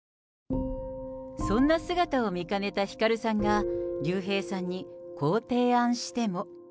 そんな姿を見かねたひかるさんが、竜兵さんにこう提案しても。